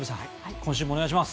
今週もお願いします。